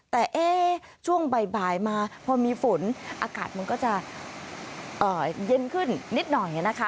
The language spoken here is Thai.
แต่ช่วงบ่ายมาพอมีฝนอากาศมันก็จะเย็นขึ้นนิดหน่อยนะคะ